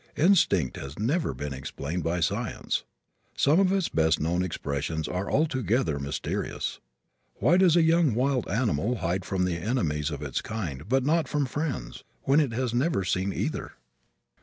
Instinct has never been explained by science. Some of its best known expressions are altogether mysterious. Why does a young wild animal hide from the enemies of its kind but not from friends, when it has never seen either?